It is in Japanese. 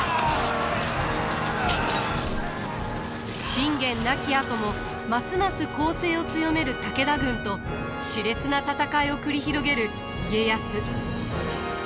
信玄亡きあともますます攻勢を強める武田軍としれつな戦いを繰り広げる家康。